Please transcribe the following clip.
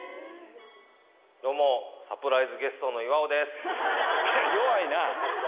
どうもサプライズゲストの岩尾です。